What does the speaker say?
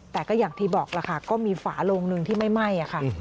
แต่ก็อย่างที่บอกล่ะค่ะก็มีฝาโลงหนึ่งที่ไม่ไหม้ค่ะ